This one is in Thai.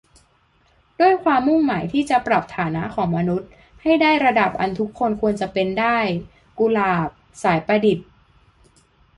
ด้วยความมุ่งหมายที่จะปรับฐานะของมนุษย์ให้ได้ระดับอันทุกคนควรจะเปนได้ - กุหลาบ สายประดิษฐ์